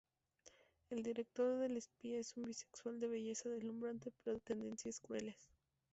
El director del espía es un bisexual de belleza deslumbrante, pero de tendencias crueles.